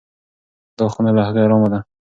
دا خونه له هغې ارامه ده.